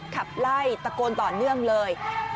ขับไล่ตะโกนต่อเนื่องเลย